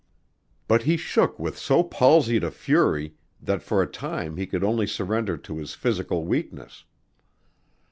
But he shook with so palsied a fury that for a time he could only surrender to his physical weakness.